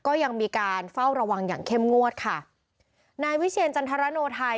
ก็ยังมีการเฝ้าระวังอย่างเข้มงวดค่ะนายวิเชียรจันทรโนไทย